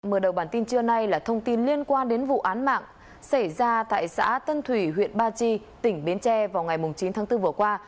mở đầu bản tin trưa nay là thông tin liên quan đến vụ án mạng xảy ra tại xã tân thủy huyện ba chi tỉnh bến tre vào ngày chín tháng bốn vừa qua